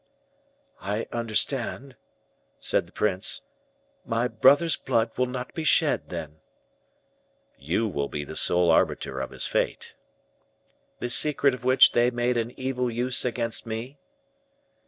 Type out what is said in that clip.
"I understand," said the prince, "my brother's blood will not be shed, then." "You will be sole arbiter of his fate." "The secret of which they made an evil use against me?"